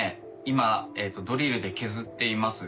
今ドリルで削っています。